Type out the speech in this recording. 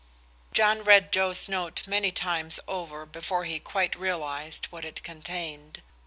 John read Joe's note many times over before he quite realized what it contained.